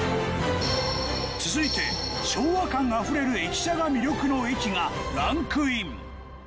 続いて昭和感あふれる駅舎が魅力の駅がランクイン。